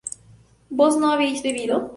¿vos no habías bebido?